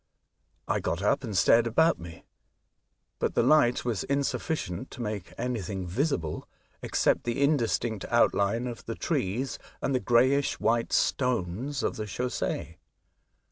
I got up and stared about me, but the light was insufl&cient to make anything visible, except the indistinct outline of the trees and the greyish white stones of the chaussee.